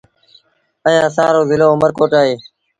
ائيٚݩ اسآݩ رو زلو اُ مر ڪوٽ اهي